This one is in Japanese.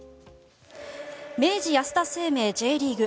明治安田生命Ｊリーグ。